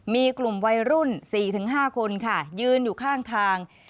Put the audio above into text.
มีกลุ่มวัยรุ่น๔๕คนค่ะยืนอยู่ข้างทาง